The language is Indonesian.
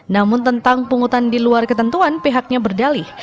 namun tentang pungutan di luar ketentuan pihaknya berdalih